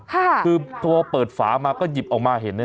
ครับคือเธอพอเปิดฝามาก็หยิบออกมาเห็นแน่